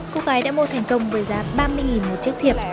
cô gái đã mua thành công với giá ba mươi một chiếc thiệp